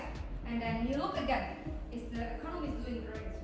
kebanyakan masyarakat berhadapan dengan perubahan antara inflasi dan pengembangan